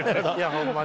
ホンマに。